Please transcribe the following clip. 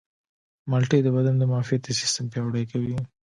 مالټې د بدن معافیتي سیستم پیاوړی کوي.